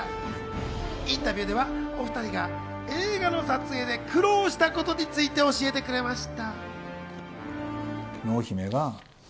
インタビューでは、お２人が映画の撮影で苦労したことについて教えてくれました。